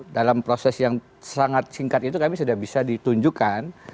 dalam proses yang sangat singkat itu kami sudah bisa ditunjukkan